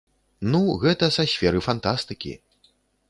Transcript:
Ну, гэта са сферы фантастыкі.